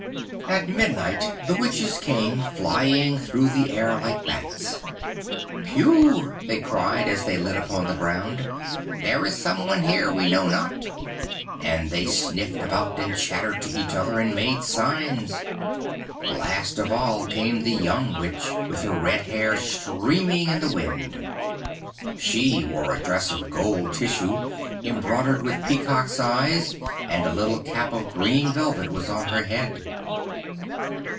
At midnight the witches came flying through the air like bats. 'Phew!' they cried, as they lit upon the ground, 'there is some one here we know not!' and they sniffed about, and chattered to each other, and made signs. Last of all came the young Witch, with her red hair streaming in the wind. She wore a dress of gold tissue embroidered with peacocks' eyes, and a little cap of green velvet was on her head.